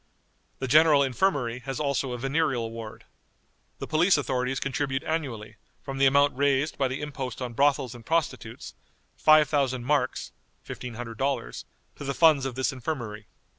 The General Infirmary has also a venereal ward. The police authorities contribute annually, from the amount raised by the impost on brothels and prostitutes, 5000 marks ($1500) to the funds of this infirmary.